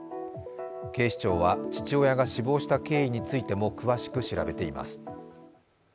警視庁は父親が死亡した経緯についても詳しく調べています。